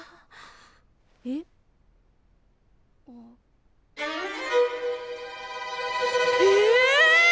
えっ？ええ！？